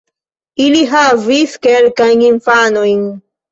Ili havis kelkajn infanojn.